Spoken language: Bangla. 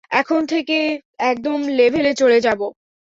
এখন থেকে একদম লেভেলে চলে যাবো।